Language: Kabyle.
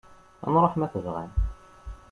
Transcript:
Ad nruḥ, ma tebɣam.